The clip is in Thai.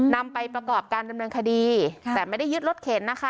นำไปประกอบการดำเนินคดีแต่ไม่ได้ยึดรถเข็นนะคะ